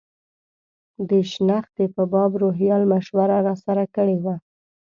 د شنختې په باب روهیال مشوره راسره کړې وه.